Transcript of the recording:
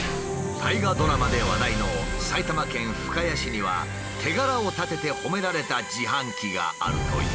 大河ドラマで話題の埼玉県深谷市には手柄を立てて褒められた自販機があるという。